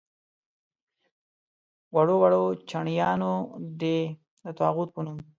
وړو وړو چڼیانو دې د طاغوت په نوم.